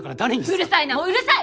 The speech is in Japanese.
うるさいなもううるさい！